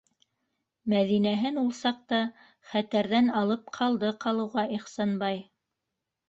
Мәҙинәһен ул саҡта хәтәрҙән алып ҡалды ҡалыуға Ихсанбай.